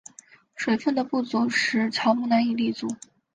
水分的不足使乔木难以立足。